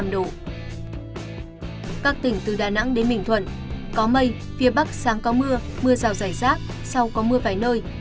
các tỉnh từ đà nẵng đến bình thuận có mây phía bắc sáng có mưa mưa rào rải rác sau có mưa vài nơi